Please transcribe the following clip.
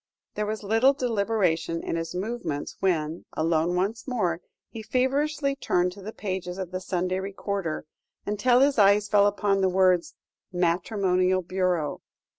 There was little deliberation in his movements when, alone once more, he feverishly turned the pages of the Sunday Recorder, until his eyes fell on the words, "Matrimonial Bureau."